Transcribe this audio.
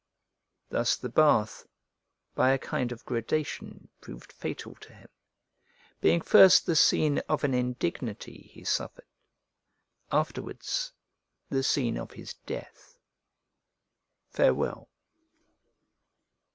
Thus the bath by a kind of gradation proved fatal to him; being first the scene of an indignity he suffered, afterwards the scene of his death. Farewell.